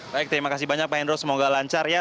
baik terima kasih banyak pak hendro semoga lancar ya